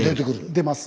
出ます。